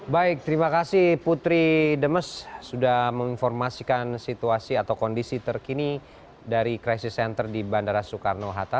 baik terima kasih putri demes sudah menginformasikan situasi atau kondisi terkini dari crisis center di bandara soekarno hatta